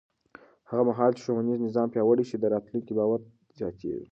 هغه مهال چې ښوونیز نظام پیاوړی شي، د راتلونکي باور زیاتېږي.